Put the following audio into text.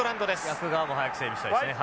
逆側も早く整備したいですね。